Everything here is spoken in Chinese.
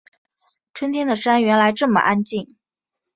春天的山原来这么安静